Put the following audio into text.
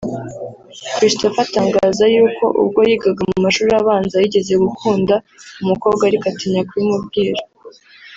Christopher atangaza y’uko ubwo yigaga mu mashuri abanza yigeze gukunda umukobwa ariko atinya kubimubwira